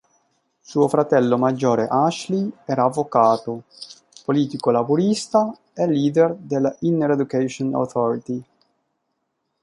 Suo fratello maggiore Ashley era avvocato, politico laburista e leader della Inner Education Authority.